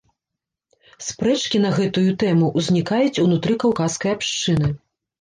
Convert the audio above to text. Спрэчкі на гэтую тэму ўзнікаюць ўнутры каўказскай абшчыны.